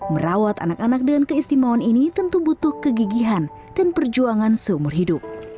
merawat anak anak dengan keistimewaan ini tentu butuh kegigihan dan perjuangan seumur hidup